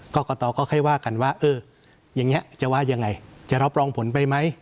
กรกตก็ค่อยว่ากันว่าเอออย่างนี้จะว่ายังไงจะรับรองผลไปไหม